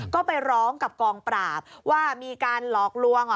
ก็ไปร้องกับกองปราบว่ามีการหลอกลวง